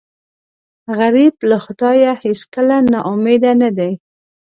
غریب له خدایه هېڅکله نا امیده نه دی